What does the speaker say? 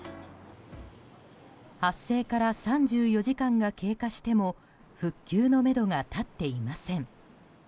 発生から３４時間が経過しても復旧のめどが立っていません。